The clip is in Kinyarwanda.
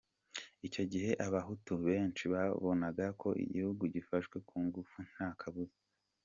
Icyo gihe abahutu benshi babonaga ko igihugu gifashwe ku ngufu nta kabuza.